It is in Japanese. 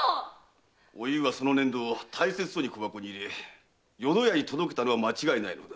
おゆうはその粘土を大切そうに小箱に入れ淀屋に届けたのは間違いないのだ。